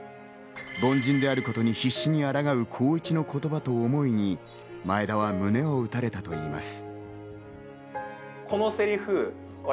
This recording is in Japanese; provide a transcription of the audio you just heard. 凡人であることに必死であらがう光一の言葉に前田は胸を打たれたといいます。